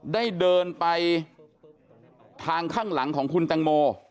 ได้เดินไปทางข้างหลังของคุณแตงโม